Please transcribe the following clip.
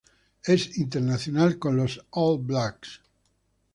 Es internacional con los All Blacks.